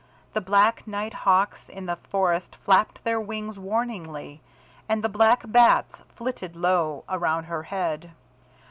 The black night hawks in the forest flapped their wings warningly, and the black bats flitted low around her head.